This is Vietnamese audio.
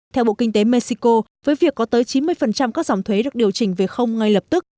theo bộ kinh tế mexico với việc có tới chín mươi các dòng thuế được điều chỉnh về không ngay lập tức